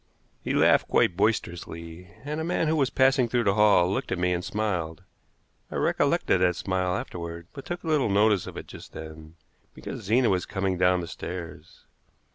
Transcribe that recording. He laughed quite boisterously, and a man who was passing through the hall looked at me and smiled. I recollected that smile afterward, but took little notice of it just then, because Zena was coming down the stairs.